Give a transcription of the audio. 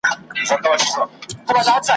د څرمني بوی یې پزي ته په کار وو `